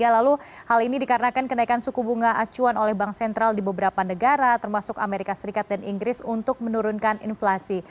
lalu hal ini dikarenakan kenaikan suku bunga acuan oleh bank sentral di beberapa negara termasuk amerika serikat dan inggris untuk menurunkan inflasi